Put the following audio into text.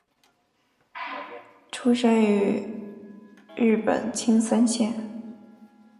出身于日本青森县。